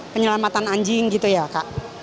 penyelamatan anjing gitu ya kak